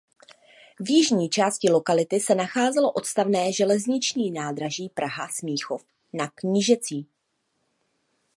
V jižní části lokality se nacházelo odstavné železniční nádraží Praha Smíchov Na Knížecí.